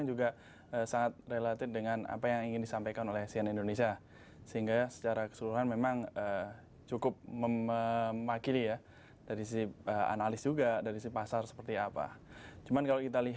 jadi anda harus menjadi distinktif